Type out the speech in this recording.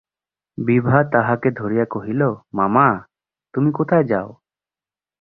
বিভা তাঁহাকে ধরিয়া কহিল, মামা, তুমি কোথায় যাও।